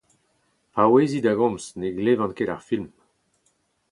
Paouezit da gomz, ne glevan ket ar film.